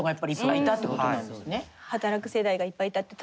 働く世代がいっぱいいたって。